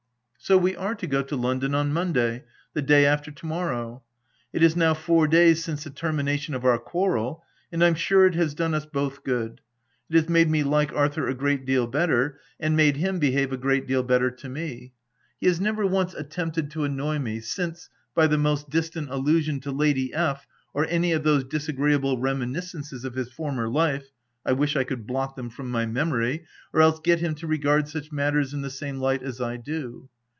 So we are to go to London on Monday, the day after to morrow. It is now four days since the termination of our quarrel, and I'm sure it has done us both good : it has made me like Arthur a great] deal better and made him be VOL. 11. f 93 THE TENANT have a great deal better to me. He has never once attempted to annoy me, since, by the most distant allusion to Lady F or any of those disagreeable reminiscences of his former life — I wish I could blot them from my memory, or else get him to regard such matters in the same light as I do.